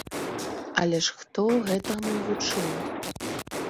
Але ж хто гэтаму вучыў?